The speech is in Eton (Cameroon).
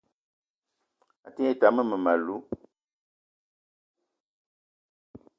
A te ngne tam mmem- alou